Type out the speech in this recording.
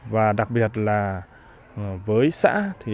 và đặc biệt là với xã